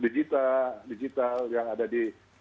digital yang ada di